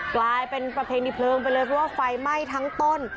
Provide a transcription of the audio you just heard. กลายเป็นประเพณีเพลิงไปเลยเพราะว่าไฟไหม้ทั้งต้น